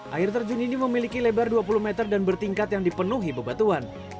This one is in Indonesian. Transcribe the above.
air terjun ini memiliki lebar dua puluh meter dan bertingkat yang dipenuhi bebatuan